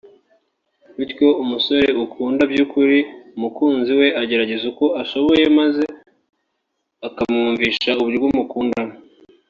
bityo umusore ukunda by’ukuri umukunzi we agerageza uko ashoboye maze akamwumvisha uburyo amukundamo